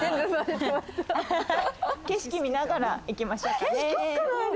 景色、見ながら行きましょうかね。